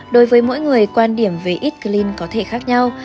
đối với mỗi người quan điểm về eat clean có thể khác nhau